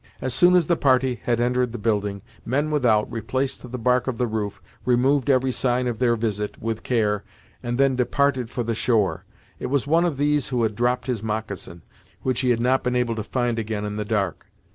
As soon as the party had entered the building, men without replaced the bark of the roof, removed every sign of their visit, with care, and then departed for the shore. It was one of these who had dropped his moccasin, which he had not been able to find again in the dark.